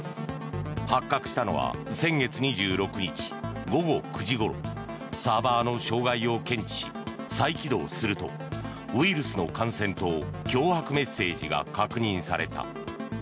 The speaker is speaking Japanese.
発覚したのは先月２６日午後９時ごろサーバーの障害を検知し再起動するとウイルスの感染と脅迫メッセージが確認された。